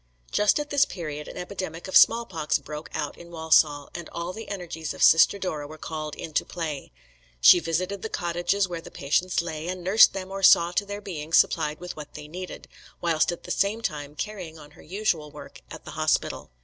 Just at this period an epidemic of small pox broke out in Walsall, and all the energies of Sister Dora were called into play. She visited the cottages where the patients lay, and nursed them or saw to their being supplied with what they needed; whilst at the same time carrying on her usual work at the hospital.